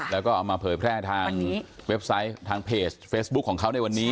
แล้วก็เอามาเผยแพร่ทางเว็บไซต์ทางเพจเฟซบุ๊คของเขาในวันนี้